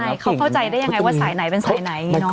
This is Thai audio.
ใช่เขาเข้าใจได้ยังไงว่าสายไหนเป็นสายไหน